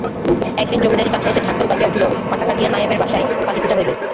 একদিন জমিদারি কাছারিতে ঢাকঢোল বাজিয়া উঠিল, পাঁঠা কাটিয়া নায়েবের বাসায় কালীপূজা হইবে।